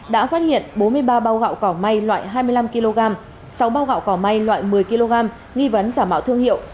đã phát hiện bốn mươi ba bao gạo cỏ may loại hai mươi năm kg sáu bao gạo cỏ may loại một mươi kg nghi vấn giả mạo thương hiệu